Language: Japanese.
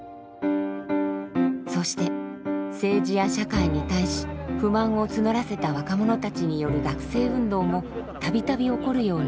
そして政治や社会に対し不満を募らせた若者たちによる学生運動もたびたび起こるようになります。